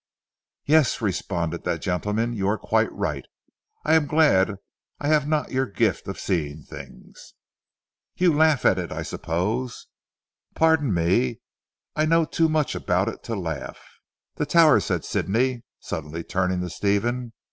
"Yes," responded that gentleman, "you are quite right. I am glad I have not your gift of seeing things." "You laugh at it I suppose?" "Pardon me, I know too much about it to laugh." "The tower," said Sidney suddenly turning to Stephen.